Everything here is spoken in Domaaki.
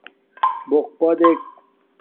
بݸقپݳ دݵک.